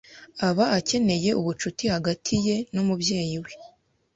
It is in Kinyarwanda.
Aba akeneye ubucuti hagati ye n’umubyeyi we